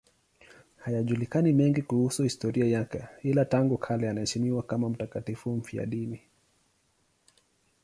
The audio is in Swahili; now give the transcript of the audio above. Hayajulikani mengine kuhusu historia yake, ila tangu kale anaheshimiwa kama mtakatifu mfiadini.